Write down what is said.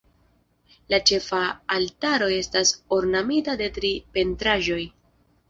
La ĉefa altaro estas ornamita de tri pentraĵoj.